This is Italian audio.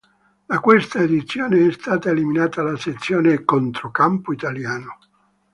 Da questa edizione è stata eliminata la sezione "Controcampo italiano".